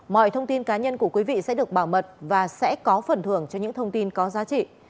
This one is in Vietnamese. mọi thông tin cá nhân của quý vị sẽ được bảo mật và sẽ có phần thưởng cho những thông tin có giá trị